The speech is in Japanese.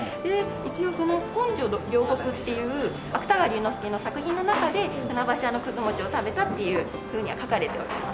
一応『本所両国』っていう芥川龍之介の作品の中で船橋屋のくず餅を食べたっていうふうには書かれております。